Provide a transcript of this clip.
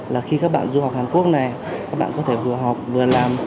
là khi các bạn du học hàn quốc này các bạn có thể vừa học vừa làm